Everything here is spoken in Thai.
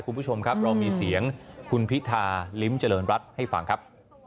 คุณผู้ชมครับเรามีเสียงคุณพิธาลิ้มเจริญรัฐให้ฟังครับ